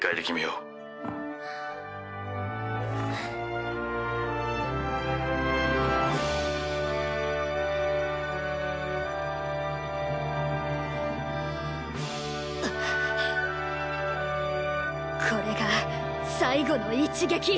ううっこれが最後の一撃。